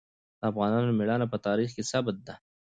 د افغانانو ميړانه په تاریخ کې ثبت ده.